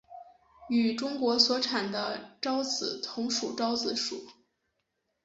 与中国所产的韶子同属韶子属。